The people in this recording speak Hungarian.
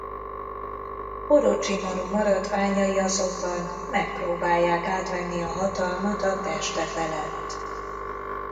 Orocsimaru maradványai azonban megpróbálják átvenni a hatalmat a teste felett.